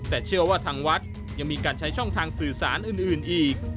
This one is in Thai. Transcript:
แต่เชื่อว่าทางวัดยังมีการใช้ช่องทางสื่อสารอื่นอีก